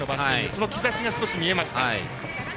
その兆しが少し見えました。